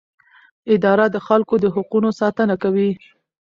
اداره د خلکو د حقونو ساتنه کوي.